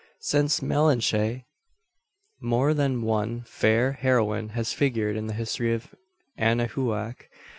Since Malinche, more than one fair heroine has figured in the history of Anahuac.